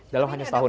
dalam hanya tahun